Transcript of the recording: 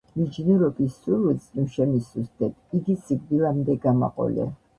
მიჯნურობის სურვილს ნუ შემისუსტებ, იგი სიკვდილამდე გამაყოლე.